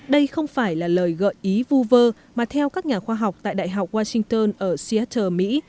đây không phải là lời gợi ý vu vơ mà theo các nhà khoa học tại đại học washington ở seatter mỹ